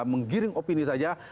menggiring opini saja